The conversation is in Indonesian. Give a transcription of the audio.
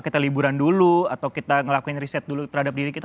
kita liburan dulu atau kita ngelakuin riset dulu terhadap diri kita